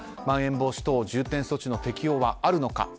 まん延防止等重点措置の適用はあるのか。